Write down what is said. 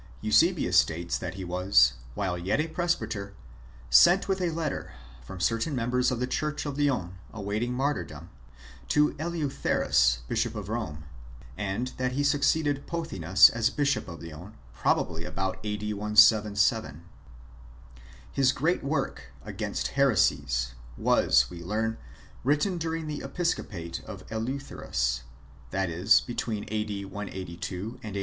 Eusebius states {Hist. Eccl. v. 4) that he was, while yet a presbyter, sent with a letter, from certain members of the church of Lyons awaiting martyrdom, to Eleutherus, bishop of Rome ; and that (v. 5) he succeeded Pothinus as bishop of Lyons, probably about a.d. 177. His great work Against Heresies was, we learn, written during the episco pate of Eleutherus, that is, between a.d. 182 and a.